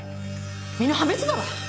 身の破滅だわ！